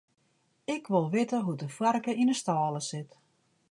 Ik wol witte hoe't de foarke yn 'e stâle sit.